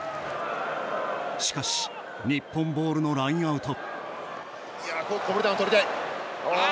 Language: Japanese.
しかし日本ボールのラインアウト。